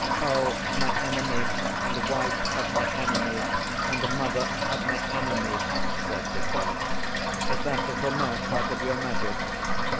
'O my Enemy and Wife of my Enemy and Mother of my Enemy,' said the Cat, 'is that little mouse part of your magic?